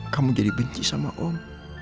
kamu jadi benci sama om